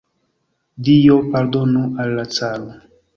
Dio pardonu al la caro!